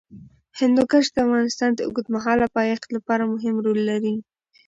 هندوکش د افغانستان د اوږدمهاله پایښت لپاره مهم رول لري.